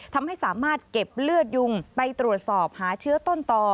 ทำให้สามารถเก็บเลือดยุงไปตรวจสอบหาเชื้อต้นต่อ